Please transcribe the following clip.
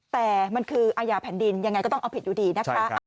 แต่มันคืออาญาแผ่นดินยังไงก็ต้องเอาผิดอยู่ดีนะคะ